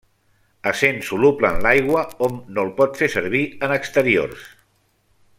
Essent soluble en l'aigua, hom no el pot fer servir en exteriors.